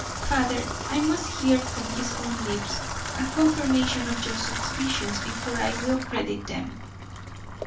Father, I must hear from his own lips a confirmation of your suspicions before I will credit them."